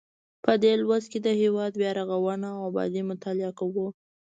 په دې لوست کې د هیواد بیا رغونه او ابادي مطالعه کوو.